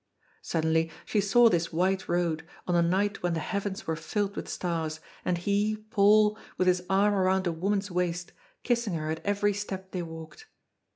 Suddenly, she saw this white road, on a night when the heavens were filled with stars, and he, Paul, with his arm round a woman's waist, kissing her at every step they walked.